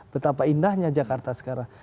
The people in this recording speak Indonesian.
betapa indahnya jakarta sekarang